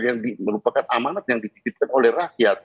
yang merupakan amanat yang dititipkan oleh rakyat